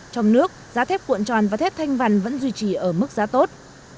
trong nước giá thép cuộn tròn và thép thanh vằn vẫn duy trì ở mức giá tốt